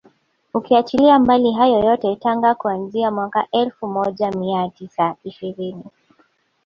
Ukiachilia mbali hayo yote Tanga kuanzia mwaka elfu moja mia tisa ishirini